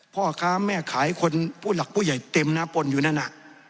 พ่อค้าแม่ขายคนผู้หลักผู้ใหญ่เต็มนะปนอยู่นั่นน่ะ